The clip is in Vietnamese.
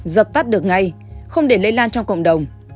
dập tắt được ngay không để lây lan trong cộng đồng